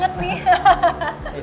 jalanan banget nih